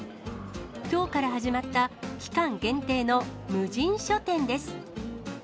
きょうから始まった期間限定の無人書店です。